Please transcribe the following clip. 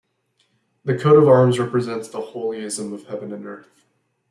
The coat of arms represents the holism of heaven and earth.